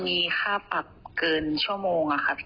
มีค่าปรับเกินชั่วโมง